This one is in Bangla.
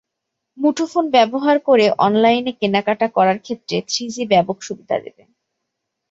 মুঠোফোন ব্যবহার করে অনলাইনে কেনাকাটা করার ক্ষেত্রে থ্রিজি ব্যাপক সুবিধা দেবে।